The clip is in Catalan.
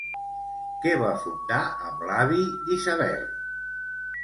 Què va fundar amb l'avi d'Isabel?